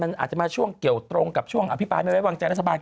มันอาจจะมาช่วงเกี่ยวตรงกับช่วงอภิปรายไม่ไว้วางใจรัฐบาล